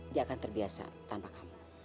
dia akan terbiasa tanpa kamu